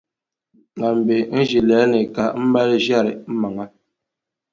Ŋan be n ʒilɛli ni ka m mali n-ʒiɛri m maŋa.